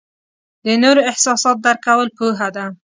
د نورو احساسات درک کول پوهه ده.